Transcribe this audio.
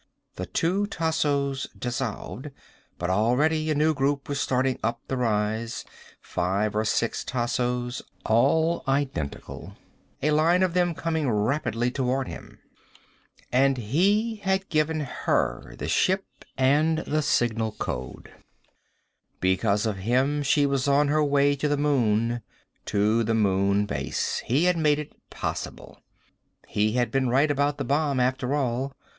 The two Tassos dissolved. But already a new group was starting up the rise, five or six Tassos, all identical, a line of them coming rapidly toward him. And he had given her the ship and the signal code. Because of him she was on her way to the moon, to the Moon Base. He had made it possible. He had been right about the bomb, after all.